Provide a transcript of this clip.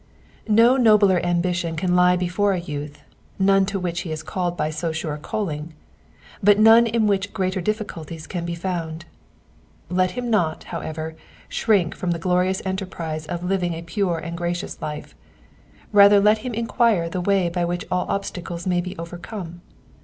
No nobler ambition can lie before a youth, none to which he is called by so sure a calling ; but none in which greater difficulties can be found. Let him not, however, shrink from the glorious enterprise of living a pure and gracious life ; rather let him enquire the way by which all obstacles may be overcome.